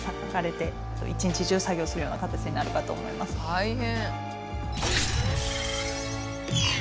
大変。